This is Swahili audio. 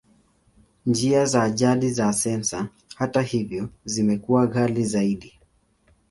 Njia za jadi za sensa, hata hivyo, zimekuwa ghali zaidi.